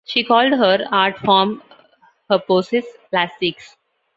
She called her art-form her "poses plastiques".